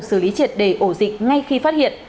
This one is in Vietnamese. xử lý triệt đề ổ dịch ngay khi phát hiện